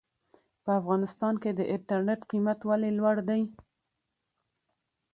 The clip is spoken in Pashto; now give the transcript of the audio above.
په افغانستان کې د انټرنېټ قيمت ولې لوړ دی ؟